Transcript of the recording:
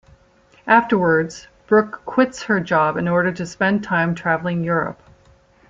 Afterwards, Brooke quits her job in order to spend time traveling Europe.